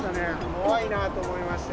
怖いなあと思いました。